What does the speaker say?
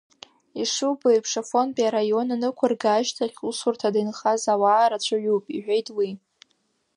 Ишубо еиԥш, Афонтәи араион анықәырга ашьҭахь усурҭада инхаз ауаа рацәаҩуп, — иҳәеит уи.